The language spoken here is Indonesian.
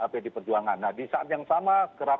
pdi perjuangan nah di saat yang sama